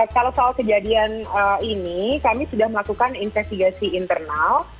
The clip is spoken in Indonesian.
kalau soal kejadian ini kami sudah melakukan investigasi internal